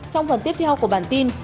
trong phần tiếp theo của bản tin